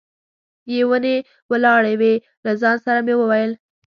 یې ونې ولاړې وې، له ځان سره مې وویل.